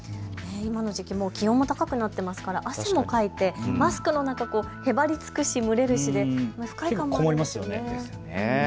今の時期、気温も高くなっていますから汗もかいてマスクの中、へばりつくし、蒸れるし不快感ですよね。